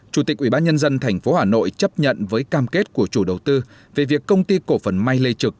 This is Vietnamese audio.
chủ tịch ubnd tp hà nội chấp nhận với cam kết của chủ đầu tư về việc công ty cổ phần may lê trực